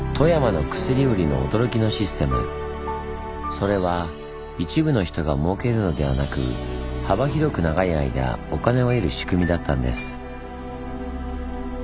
それは一部の人がもうけるのではなく幅広く長い間お金を得る仕組みだったんです。